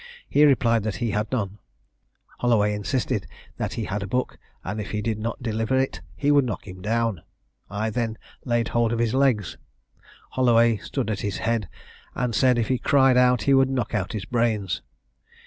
He replied that he had none. Holloway insisted that he had a book, and if he did not deliver it he would knock him down. I then laid hold of his legs. Holloway stood at his head, and said if he cried out he would knock out his brains.